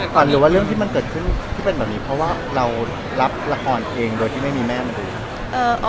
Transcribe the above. หรือว่าเรื่องที่มันเกิดขึ้นที่เป็นแบบนี้เพราะว่าเรารับละครเองโดยที่ไม่มีแม่มาดูครับ